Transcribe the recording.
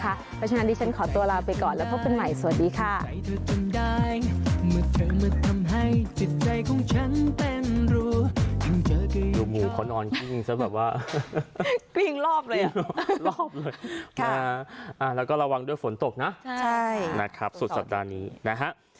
เพราะฉะนั้นดิฉันขอตัวลาไปก่อนแล้วพบกันใหม่สวัสดีค่ะ